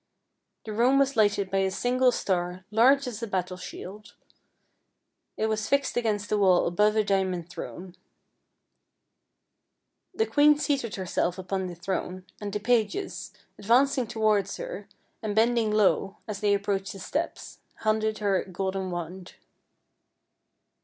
The room was lighted by a single star, large as a battle shield. It was fixed against the wall above a diamond throne. The queen seated herself upon the throne, and the pages, advancing towards her, and bending low, as they approached the steps, handed her a golden wand.